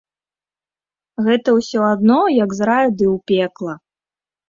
Гэта ўсё адно, як з раю ды ў пекла.